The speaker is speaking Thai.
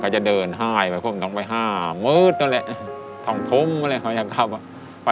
จะเดินไห้ไปผมต้องไปห้ามืดนั่นแหละ๒ทุ่มอะไรเขาอยากทำอ่ะ